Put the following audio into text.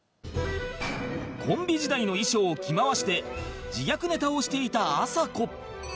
コンビ時代の衣装を着回して自虐ネタをしていたあさこ